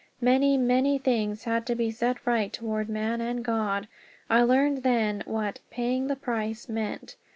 Many, many things had to be set right toward man and God. I learned then what "paying the price" meant.